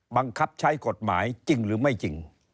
บังคับใช้กฎหมายจริงหรือไม่จริง